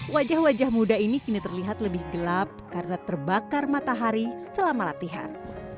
wajah wajah muda ini kini terlihat lebih gelap karena terbakar matahari selama latihan